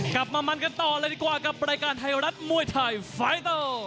กลับมามันกันต่อเลยดีกว่ากับรายการไทยรัฐมวยไทยไฟเตอร์